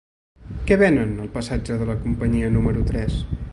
Què venen al passatge de la Companyia número tres?